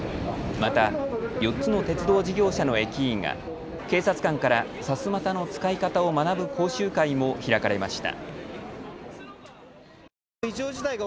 また、４つの鉄道事業者の駅員が警察官からさすまたの使い方を学ぶ講習会も開かれました。